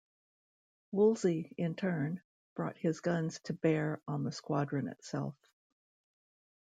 Woolsey, in turn, brought his guns to bear on the squadron itself.